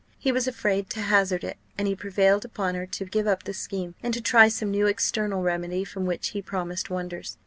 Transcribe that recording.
He was afraid to hazard it, and he prevailed upon her to give up the scheme, and to try some new external remedy from which he promised wonders.